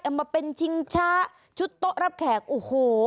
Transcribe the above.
มาเป็นชิงช้าชุดโต๊ะรับแขกโอ้โห